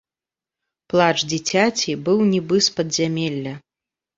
Плач дзіцяці быў нібы з падзямелля.